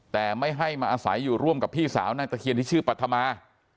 แต่ไม่ให้มาอาศัยอยู่ร่วมกับพี่สาวนางตะเคียนที่ชื่อปัธมา